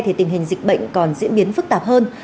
thì tình hình dịch bệnh còn diễn biến phức tạp hơn